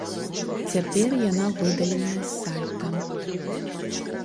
Цяпер яна выдаленая з сайта.